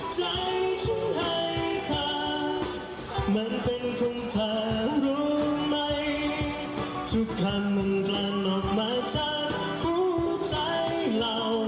ใจฉันให้เธอมันเป็นของเธอรู้ไหมทุกคำมันกระโดดมาจากหัวใจเรา